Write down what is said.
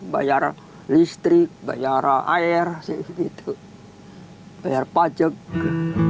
bayar listrik bayar air bayar pajak